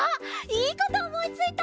いいことおもいついた！